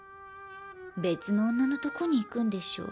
別の女のとこに行くんでしょ？